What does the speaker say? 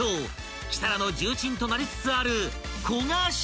［キサラの重鎮となりつつある］